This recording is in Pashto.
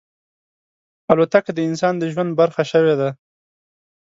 الوتکه د انسان د ژوند برخه شوې ده.